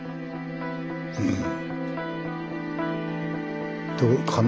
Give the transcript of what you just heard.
うん。